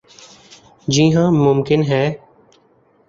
جی ہاں ممکن ہے ۔